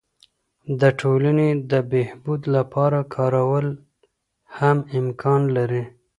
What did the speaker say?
د ټولني د بهبود لپاره کارول هم امکان لري.